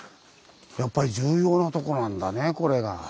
やっぱり重要なとこなんだねこれが。